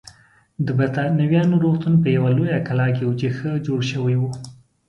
د بریتانویانو روغتون په یوه لویه کلا کې و چې ښه جوړه شوې وه.